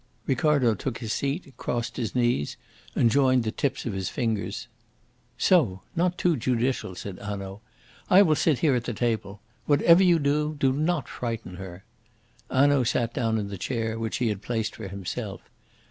Ricardo took his seat, crossed his knees, and joined the tips of his fingers. "So! not too judicial!" said Hanaud; "I will sit here at the table. Whatever you do, do not frighten her." Hanaud sat down in the chair which he had placed for himself.